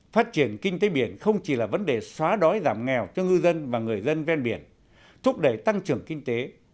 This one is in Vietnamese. phát triển kinh tế biển không chỉ là vấn đề xóa đói giảm nghèo cho ngư dân và người dân ven biển thúc đẩy tăng trưởng kinh tế